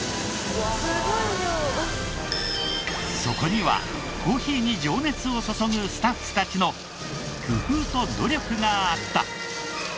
そこにはコーヒーに情熱を注ぐスタッフたちの工夫と努力があった！